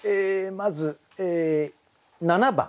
まず７番。